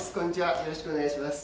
よろしくお願いします。